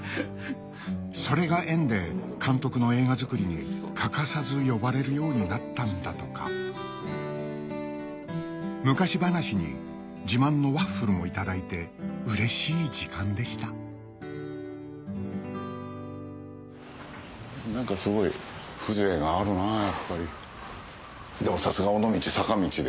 それが縁で監督の映画作りに欠かさず呼ばれるようになったんだとか昔話に自慢のワッフルもいただいてうれしい時間でした何かすごい風情があるなやっぱり。